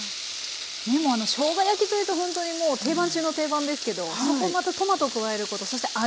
もうしょうが焼きというとほんとに定番中の定番ですけどそこをまたトマトを加えることそして味わいを変えることで。